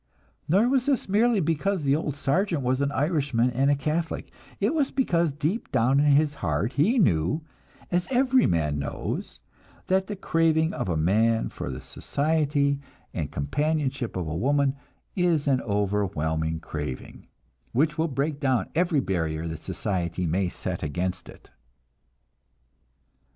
Nor was this merely because the old sergeant was an Irishman and a Catholic; it was because deep down in his heart he knew, as every man knows, that the craving of a man for the society and companionship of a woman is an overwhelming craving, which will break down every barrier that society may set against it.